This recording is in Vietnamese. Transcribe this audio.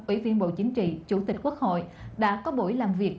ủy viên bộ chính trị chủ tịch quốc hội đã có buổi làm việc